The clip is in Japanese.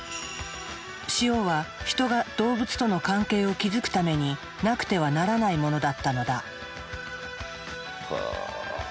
塩はヒトが動物との関係を築くためになくてはならないものだったのだ。